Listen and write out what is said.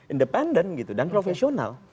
independen gitu dan profesional